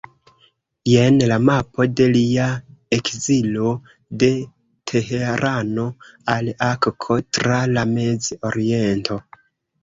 Jen la mapo de Lia ekzilo de Tehrano al Akko tra la Mez-Oriento.